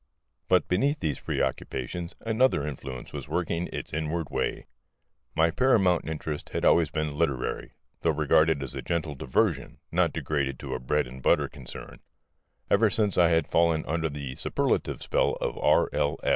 But beneath these preoccupations another influence was working its inward way. My paramount interest had always been literary, though regarded as a gentle diversion, not degraded to a bread and butter concern. Ever since I had fallen under the superlative spell of R.L.